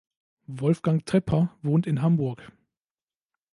Wolfgang Trepper wohnt in Hamburg.